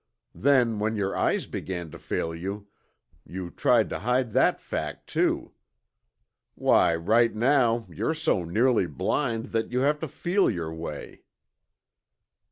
Then when your eyes began to fail you, you tried to hide that fact too. Why, right now, you're so nearly blind that you have to feel your way."